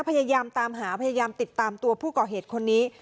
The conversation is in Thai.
พยายามตามหาพยายามติดตามตัวผู้ก่อเหตุคนนี้